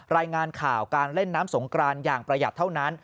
รายงานข่าวการเล่นน้ำสงกรานอย่างประหยัดเท่านั้น